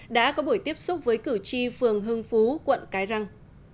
đã có buổi tiếp xúc với cử tri phường hưng phú quận cái răng